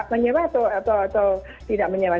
menyewa atau tidak menyewa